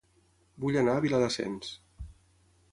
Vull anar a Viladasens